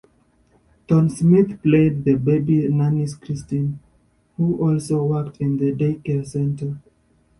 Thorne-Smith played the baby's nanny Kristin, who also worked in the daycare center.